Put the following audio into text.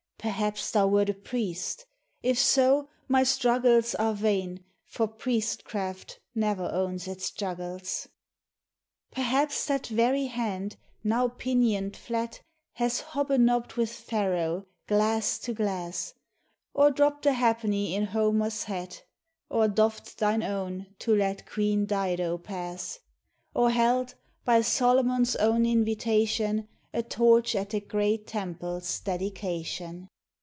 Perhaps thou wert a priest, — if so, my struggles Are vain, for priestcraft never owns its juggles. Perhaps that very hand, now pinioned flat, Has hob a nobbed with Pharaoh, glass to glass ; Or dropped a halfpenny in Homer's hat ; Or doffed thine own to let Queen Dido pass ; Or held, by Solomon's own invitation, A torch at the great temple's dedication.